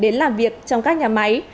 đến làm việc trong các nhà máy